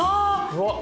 うわっ！